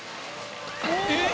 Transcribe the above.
えっ？